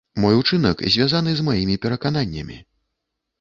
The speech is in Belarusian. Мой учынак звязаны з маімі перакананнямі.